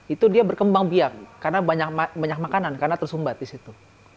itu dia berkembang biak karena banyak makanan karena tersumbat di situ